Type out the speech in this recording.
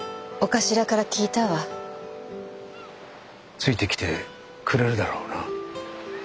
ついてきてくれるだろうな？